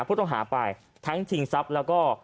ผู้ต้องหาไปทั้งชิงทรัพย์แล้วก็